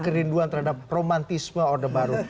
kerinduan terhadap romantisme orde baru